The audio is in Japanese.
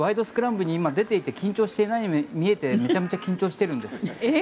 スクランブル」に出ていて緊張していないように見えてめちゃめちゃ緊張しているんです。